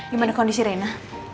gimana kondisi rena